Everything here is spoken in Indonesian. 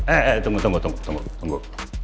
eh eh tunggu tunggu tunggu